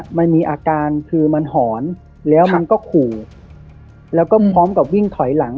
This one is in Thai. มันมีอาการคือมันหอนแล้วมันก็ขู่แล้วก็พร้อมกับวิ่งถอยหลัง